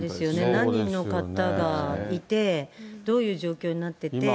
何人の方がいて、どういう状況になってて。